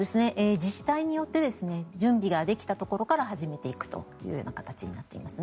自治体によって準備ができたところから始めていくという形になっていますね。